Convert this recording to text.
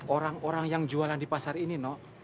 orang orang yang jualan di pasar ini nok